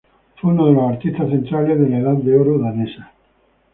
Fue uno de los artistas centrales de la Edad de Oro danesa.